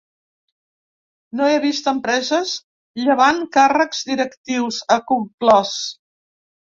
No he vist empreses llevant càrrecs directius, ha conclòs.